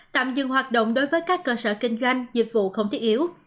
tạm dừng hoạt động đối với các cơ sở kinh doanh dịch vụ không thiết yếu